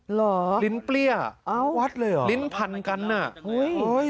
เหรอลิ้นเปรี้ยอ้าววัดเลยเหรอลิ้นพันกันน่ะเฮ้ย